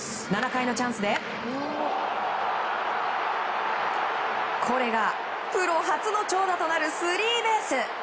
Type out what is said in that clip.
７回のチャンスでこれがプロ初の長打となるスリーベース。